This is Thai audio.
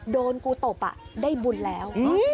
โดนกูตบได้บุญแล้ว